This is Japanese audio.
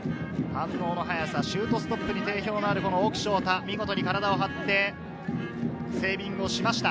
シュートストップに定評のある奥奨太、見事に体を張ってセービングをしました。